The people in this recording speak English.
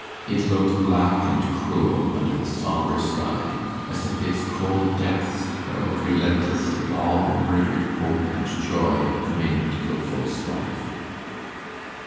It looked black and cruel under the sombre sky, as if its cold depths held relentlessly all the murdered hope and joy of Maynard Gilfil's life.